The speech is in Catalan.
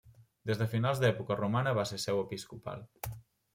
Des de finals de l'època romana, va ser seu episcopal.